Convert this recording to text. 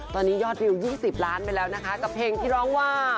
ตอนนี้ยอดวิว๒๐ล้านไปแล้วนะคะกับเพลงที่ร้องว่า